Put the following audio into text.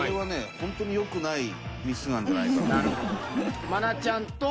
本当によくないミスなんじゃないかと。